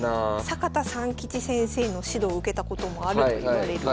阪田三先生の指導を受けたこともあるといわれる。